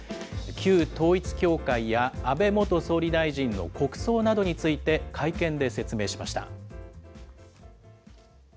旧統一教会や安倍元総理大臣の国葬などについて、会見で説明しました。